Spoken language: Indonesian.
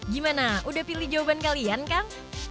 gimana udah pilih jawaban kalian kang